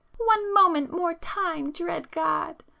one moment more time, dread God!